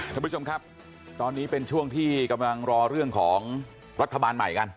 ท่านผู้ชมครับตอนนี้เป็นช่วงที่กำลังรอเรื่องของรัฐบาลใหม่กัน